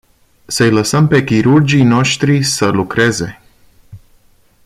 Să-i lăsăm pe chirurgii noști să lucreze.